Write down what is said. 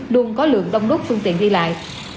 luôn có lượng đông đúc phương tiến đi lại